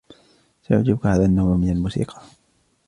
سيعجبك هذا النوع من الموسيقى.